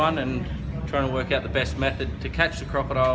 dan mencoba untuk melakukan metode terbaik untuk menangkap krokodil